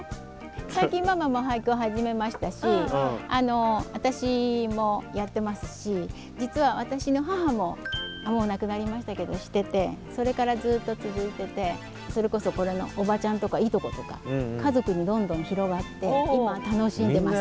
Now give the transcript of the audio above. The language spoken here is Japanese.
最近ママも俳句を始めましたし私もやってますし実は私の母ももう亡くなりましたけどしててそれからずっと続いててそれこそこれのおばちゃんとかいとことか家族にどんどん広がって今楽しんでます。